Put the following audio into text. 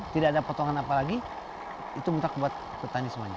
tidak ada potongan apa lagi itu mutak buat petani semuanya